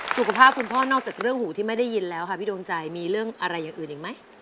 สุขภาพคุณพ่อนอกจากเรื่องหูที่ไม่ได้ยินแล้วค่ะพี่ดวงใจมีเรื่องอะไรอย่างอื่นอีกไหม